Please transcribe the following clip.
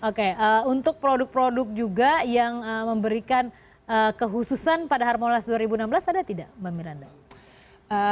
oke untuk produk produk juga yang memberikan kehususan pada harmonas dua ribu enam belas ada tidak mbak miranda